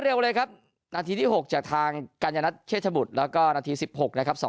เร็วเลยครับนาทีที่๖จากทางกัญญนัทเชษฐบุตรแล้วก็นาที๑๖นะครับ